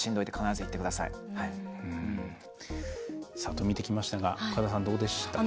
ざっと見てきましたが岡田さん、どうでしたか？